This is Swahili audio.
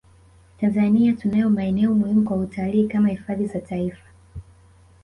Tanzania tunayo maeneo muhimu kwa utalii kama hifadhi za taifa